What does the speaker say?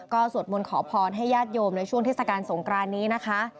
ก็สวดมนต์ขอพรให้ญาติโยมในช่วงเทศกาลสงครานนี้นะคะ